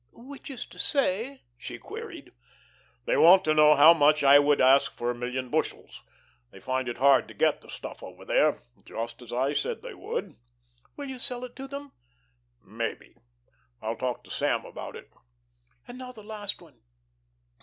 '" "Which is to say?" she queried. "They want to know how much I would ask for a million bushels. They find it hard to get the stuff over there just as I said they would." "Will you sell it to them?" "Maybe. I'll talk to Sam about it." "And now the last one."